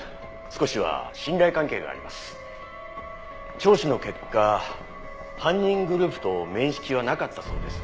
聴取の結果犯人グループと面識はなかったそうです。